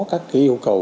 các cái ưu cầu